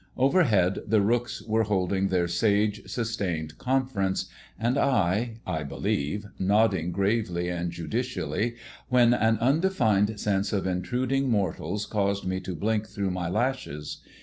Overhead the rooks were holding their sage, sustained conference, and I, I believe, nodding gravely and judicially, when an undefined sense of intruding mortals caused me to blink through my lashes.